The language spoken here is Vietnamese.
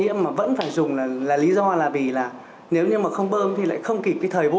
nhiễm mà vẫn phải dùng là lý do là vì là nếu như mà không bơm thì lại không kịp cái thời vụ